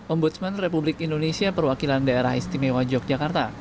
ombudsman republik indonesia perwakilan daerah istimewa yogyakarta